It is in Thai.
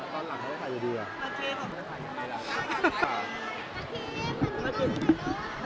ทำไมตอนหลังเขาภายใดดีอะ